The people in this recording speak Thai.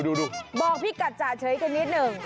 ดูบอกพี่กัดจ่าเฉยกันนิดหนึ่ง